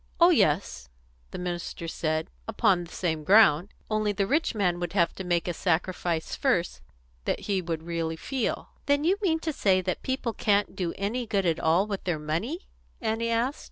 "Oh yes," the minister said "upon the same ground. Only, the rich man would have to make a sacrifice first that he would really feel." "Then you mean to say that people can't do any good at all with their money?" Annie asked.